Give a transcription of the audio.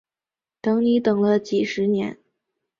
等你等了几十年